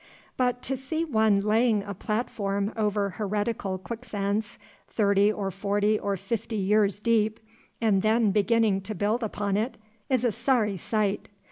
But to see one laying a platform over heretical quicksands, thirty or forty or fifty years deep, and then beginning to build upon it, is a sorry sight.